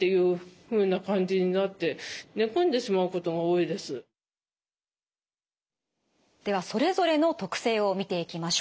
いわゆるではそれぞれの特性を見ていきましょう。